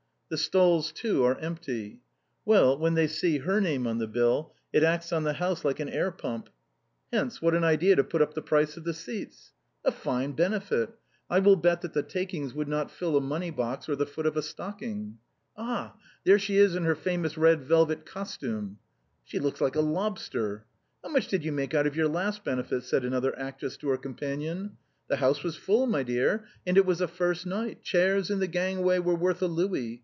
" The stalls, too, are empty," " ^Yell, when they see her name on the bill, it acts on the house like an air pump." " Hence, what an idea to put up the price of the seats !" "A fine benefit. I will bet that the takings would not fill a money box or the foot of a stocking." " Ah ! there she is in her famous red velvet costume." " She looks like a lobster." "How much did you make out of your last benefit?" said another actress to her companion. *' The house was full, my dear, and it was a first night; chairs in the aisle were worth a louis.